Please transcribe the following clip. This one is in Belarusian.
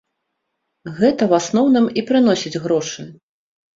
Гэта ў асноўным і прыносіць грошы.